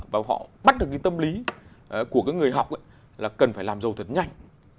và họ bắt được tâm lý của người học là cần phải làm giàu thật nhanh